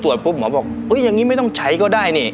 ปุ๊บหมอบอกอย่างนี้ไม่ต้องใช้ก็ได้นี่